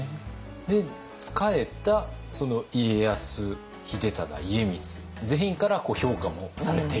で仕えた家康秀忠家光全員から評価もされている。